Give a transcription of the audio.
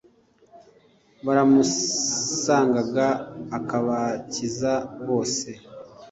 baramusangaga akabakiza bose.